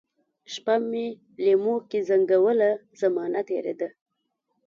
شپه مي لېموکې زنګوله ، زمانه تیره ده